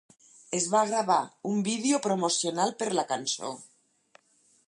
Es va gravar un vídeo promocional per la cançó.